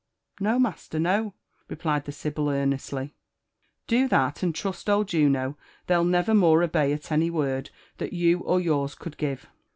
'* No, master, no," replied the sibyl earnestly. '* Do' that, and trust old Juno, they'll never more obey at any word that you or youn could give.